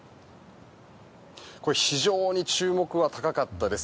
これ、非常に注目は高かったです。